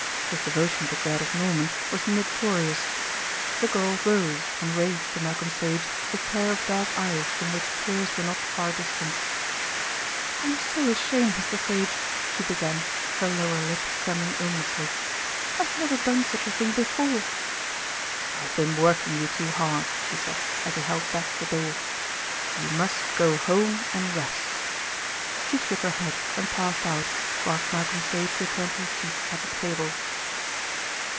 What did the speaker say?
His devotion to Gladys Norman was notorious. The girl rose and raised to Malcolm Sage a pair of dark eyes from which tears were not far distant. "I'm so ashamed, Mr. Sage," she began, her lower lip trembling ominously. "I've never done such a thing before." "I've been working you too hard," he said, as he held back the door. "You must go home and rest." She shook her head and passed out, whilst Malcolm Sage returned to his seat at the table.